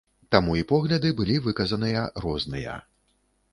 Таму і погляды былі выказаныя розныя.